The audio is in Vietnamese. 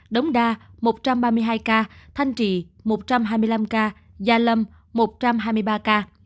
đống đa một trăm ba mươi hai ca thanh trị một trăm hai mươi năm ca gia lâm một trăm hai mươi ba ca